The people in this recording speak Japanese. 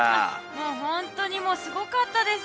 もう本当にすごかったです